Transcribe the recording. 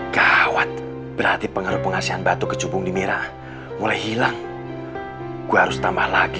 gawat berarti pengerup pengasihan batu kecubung di mira mulai hilang gua harus tambah lagi